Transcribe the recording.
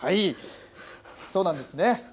そうなんですね。